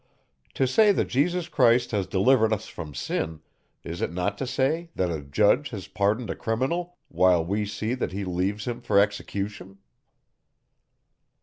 To say that Jesus Christ has delivered us from sin, is it not to say, that a judge has pardoned a criminal, while we see that he leaves him for execution?